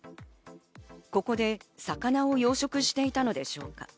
ここで魚を養殖していたのでしょうか。